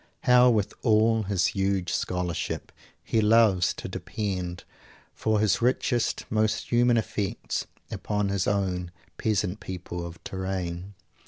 How, with all his huge scholarship, he loves to depend for his richest, most human effects, upon his own peasant people of Touraine!